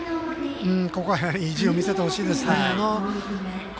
ここは意地を見せてほしいですね。